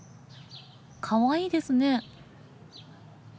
かわいいですね。